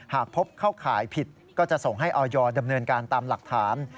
หากพบเข้าข่ายผิดก็จะส่งให้ออยดำเนินการตามหลักฐาน